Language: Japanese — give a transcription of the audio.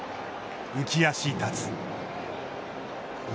浮き足立つ。